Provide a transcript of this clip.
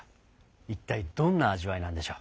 一体どんな味わいなんでしょう。